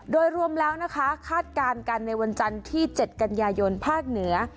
โดยรวมแล้วนะคะคาดการณ์กันในวันจันทร์ที่๗กันยายนภาคเหนือ